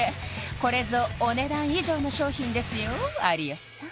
これぞ「お、ねだん以上。」の商品ですよ有吉さん